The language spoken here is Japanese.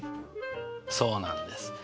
そうなんです。